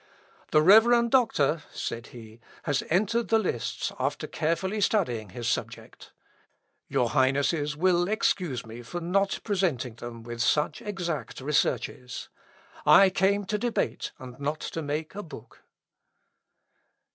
"The reverend doctor," said he, "has entered the lists after carefully studying his subject. Your highnesses will excuse me for not presenting them with such exact researches. I came to debate and not to make a book."